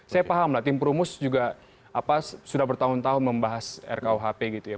saya paham lah tim perumus juga sudah bertahun tahun membahas rkuhp gitu ya